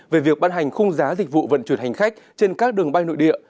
về việc bán hành khung giá dịch vụ vận chuyển hành khách trên các đường bay nội địa